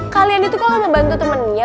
kalian itu kalau mau bantu temennya